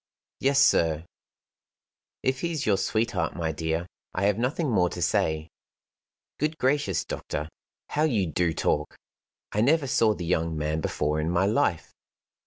"Yes, sir. "If he's your sweetheart, my dear, I have nothing more to say." "Good gracious, doctor, how you do talk! I never saw the young man before in my life."